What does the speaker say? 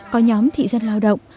có nhóm thị dân lao động